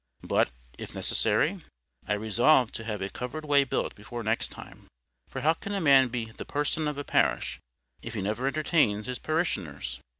But, if necessary, I resolved to have a covered way built before next time. For how can a man be THE PERSON of a parish, if he never entertains his parishioners?